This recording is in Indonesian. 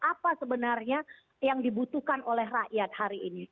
apa sebenarnya yang dibutuhkan oleh rakyat hari ini